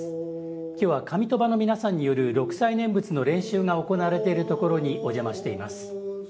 今日は上鳥羽の皆さんによる六斎念仏の練習が行われているところにお邪魔しています。